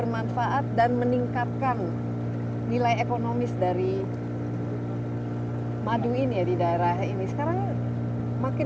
dia akan hingap di pohon tinggi